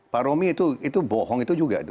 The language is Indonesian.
pak romy itu itu bohong itu juga